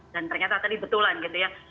dan ternyata tadi betulan gitu ya